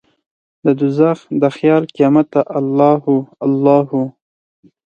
ددوږخ د خیال قیامته الله هو، الله هو